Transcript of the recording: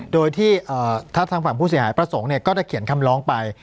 โดยที่ทัพสามฝั่งผู้เสียหายประสงค์ครึ่งจะเขียนคำลองไป